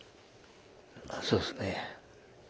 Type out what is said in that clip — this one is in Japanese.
そうですね。